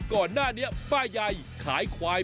ก่อนหน้านี้ป้ายายขายควาย